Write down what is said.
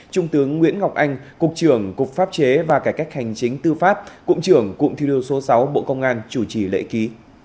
trung tướng nguyễn ngọc anh cục trưởng cục pháp chế và cải cách hành chính tư pháp cụm trưởng cụm thi đua số sáu bộ công an chủ trì lễ ký